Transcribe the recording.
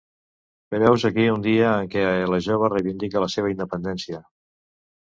Però heus aquí un dia en què la jove reivindica la seva independència.